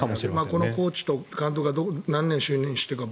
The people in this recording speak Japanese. このコーチと監督が何年就任しているか